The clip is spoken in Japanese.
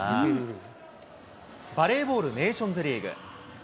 バレーボールネーションズリーグ。